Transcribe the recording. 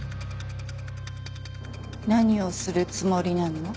何をするつもりなの？